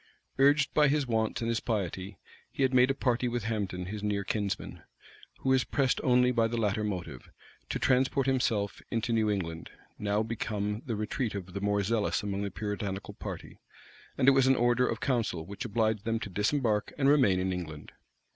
Urged by his wants and his piety, he had made a party with Hambden, his near kinsman, who was pressed only by the latter motive, to transport himself into New England, now become the retreat of the more zealous among the Puritanical party; and it was an order of council which obliged them to disembark and remain in England.